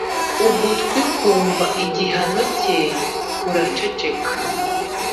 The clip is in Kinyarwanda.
Ugutwi kumva igihano cye kuraceceka